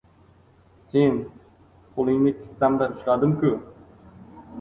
— Sen! Qo‘lingni kissamda ushladim-ku!